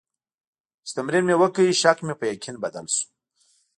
چې تمرین مې وکړ، شک مې په یقین بدل شو.